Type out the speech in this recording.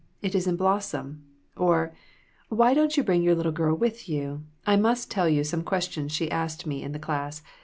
It is in blossom'; or, 'Why didn't you bring your little girl with you? I must tell you some questions she asked me in the class.